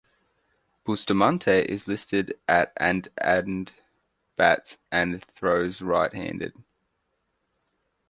Bustamante is listed at and and bats and throws right handed.